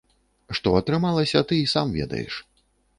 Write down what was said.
Што атрымалася, ты і сам ведаеш.